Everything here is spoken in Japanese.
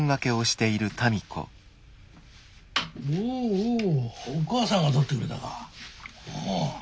おおお母さんが撮ってくれたか。